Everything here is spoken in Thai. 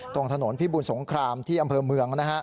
ตรงถนนพิบูลสงครามที่อำเภอเมือง